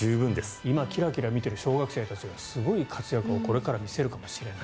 今キラキラ見てる小学生たちがすごい活躍をこれから見せるかもしれない。